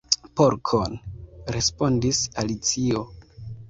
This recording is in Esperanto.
"Porkon," respondis Alicio.